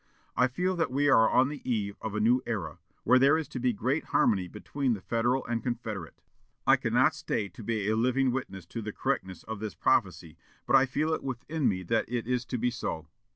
"I feel that we are on the eve of a new era, when there is to be great harmony between the Federal and Confederate. I cannot stay to be a living witness to the correctness of this prophecy; but I feel it within me that it is to be so.